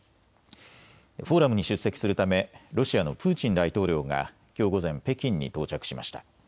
フォーラムに出席するためロシアのプーチン大統領がきょう午前、北京に到着しました。